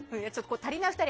「たりないふたり」